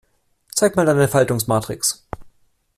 Zeig mal deine Faltungsmatrix.